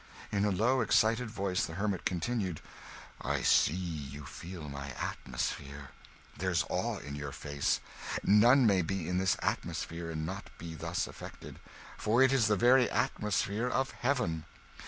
In a low excited voice the hermit continued "I see you feel my atmosphere! There's awe in your face! None may be in this atmosphere and not be thus affected; for it is the very atmosphere of heaven.